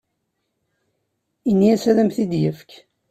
Ini-as ad am-t-id-yefk.